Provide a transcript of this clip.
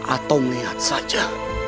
atau melihat saja